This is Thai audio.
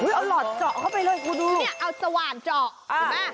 เฮ้ยเอาหลอดเจาะเข้าไปเลยคุณดูนี่เนี่ยเอาสว่านเจาะอ่า